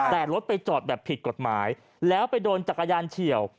แต่รถไปจอดแบบผิดกฎหมายแล้วไปโดนจักรยานเฉียว